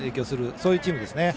そういうチームです。